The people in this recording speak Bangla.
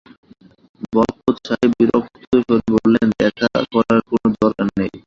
বরকত সাহেব বিরক্ত স্বরে বললেন, দেখা করার কোনো দরকার নেই।